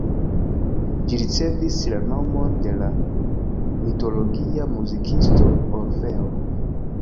Ĝi ricevis la nomon de la mitologia muzikisto Orfeo.